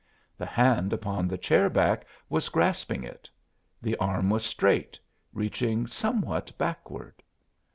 The hand upon the chair back was grasping it; the arm was straight, reaching somewhat backward.